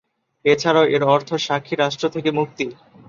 এছাড়াও এর অর্থ সাক্ষী রাষ্ট্র থেকে মুক্তি।